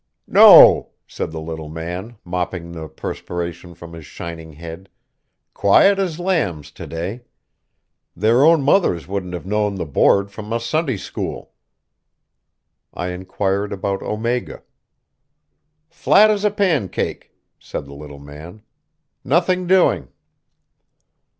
"No," said the little man, mopping the perspiration from his shining head, "quiet as lambs to day. Their own mothers wouldn't have known the Board from a Sunday school." I inquired about Omega. "Flat as a pancake," said the little man. "Nothing doing."